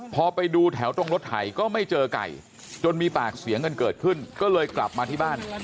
พอไปดูแถวตรงรถไถก็ไม่เจอไก่จนมีปากเสียงกันเกิดขึ้นก็เลยกลับมาที่บ้าน